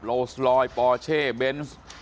โลสลอยปอเช่เบนส์